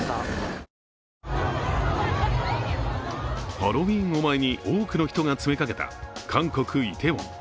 ハロウィーンを前に多くの人が詰めかけた韓国・イテウォン。